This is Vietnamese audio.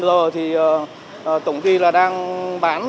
tổng công ty đang bán